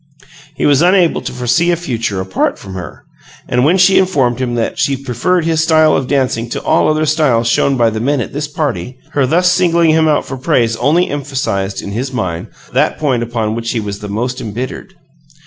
He was unable to foresee a future apart from her; and when she informed him that she preferred his style of dancing to all other styles shown by the Men at this party, her thus singling him out for praise only emphasized, in his mind, that point upon which he was the most embittered.